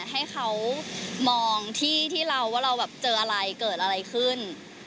ให้เขามองที่เราว่าเราแบบเจออะไรเกิดอะไรขึ้น